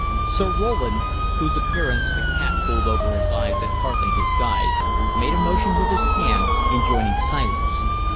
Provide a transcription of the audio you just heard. Sir Roland, whose appearance the cap pulled over his eyes had partly disguised, made a motion with his hand, enjoining silence.